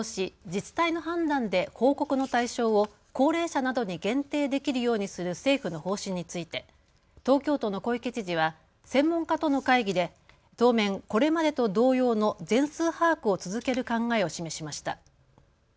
自治体の判断で報告の対象を高齢者などに限定できるようにする政府の方針について東京都の小池知事は専門家との会議で当面これまでと同様の全数把握を続ける考えを示しました。